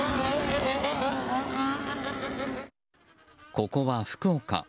ここは福岡。